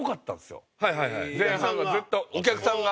前半がずっとお客さんが。